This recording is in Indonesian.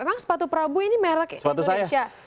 emang sepatu prabu ini merek indonesia